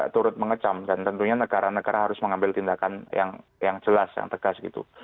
turut mengecam dan tentunya negara negara harus mengambil tindakan yang jelas yang tegas gitu